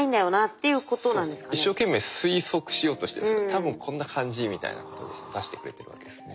「多分こんな感じ」みたいなことで出してくれてるわけですね。